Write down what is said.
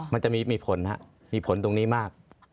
มันจะมีผลครับมีผลตรงนี้มาก